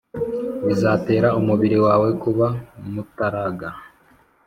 Bizatera umubiri wawe kuba mutaraga.